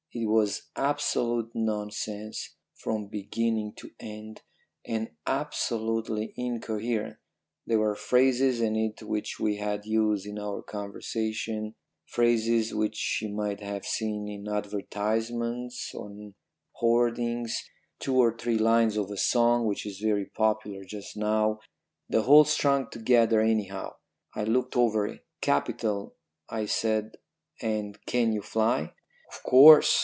It was absolute nonsense from beginning to end, and absolutely incoherent. There were phrases in it which we had used in our conversation, phrases which he might have seen in advertisements on hoardings, two or three lines of a song which is very popular just now, the whole strung together anyhow. I looked over it. "'Capital,' I said; 'and can you fly?' "'Of course.'